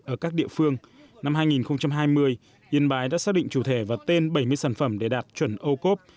ở các địa phương năm hai nghìn hai mươi yên bái đã xác định chủ thể và tên bảy mươi sản phẩm để đạt chuẩn ô cốp